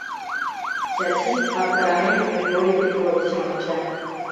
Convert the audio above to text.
Чачи, аптыранен, Григорий Петровичым онча.